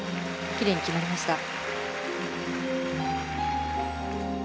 きれいに決まりました。